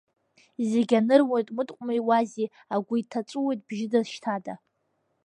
Зегьы аныруеит мыткәмеи уази, агәы иҭаҵәуеит бжьыда-шьҭада.